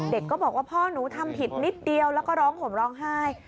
ก็บอกว่าพ่อหนูทำผิดนิดเดียวแล้วก็ร้องห่มร้องไห้